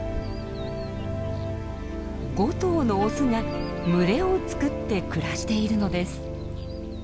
５頭のオスが群れを作って暮らしているのです。